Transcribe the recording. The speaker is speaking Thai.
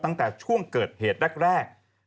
ตั้งแต่ช่วงเกิดเหตุแรก